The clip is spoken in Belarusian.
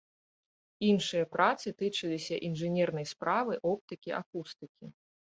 Іншыя працы тычыліся інжынернай справы, оптыкі, акустыкі.